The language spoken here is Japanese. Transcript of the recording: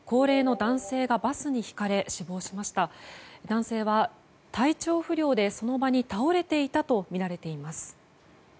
男性は、体調不良でその場に倒れていたとみられています。